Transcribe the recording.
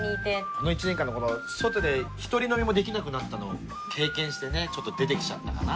この一年間のこの外で１人飲みもできなくなったのを経験してねちょっと出てきちゃったかな。